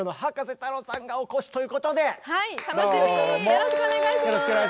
よろしくお願いします。